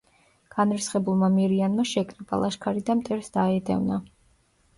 განრისხებულმა მირიანმა შეკრიბა ლაშქარი და მტერს დაედევნა.